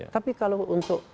tapi kalau untuk